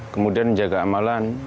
kemudian menjaga amalan